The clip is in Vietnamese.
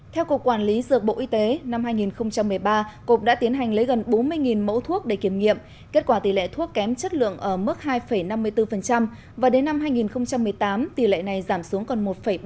theo cục quản lý dược bộ y tế năm hai nghìn một mươi ba cục đã tiến hành lấy gần bốn mươi mẫu thuốc để kiểm nghiệm kết quả tỷ lệ thuốc kém chất lượng ở mức hai năm mươi bốn và đến năm hai nghìn một mươi tám tỷ lệ này giảm xuống còn một ba mươi